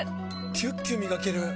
キュッキュ磨ける！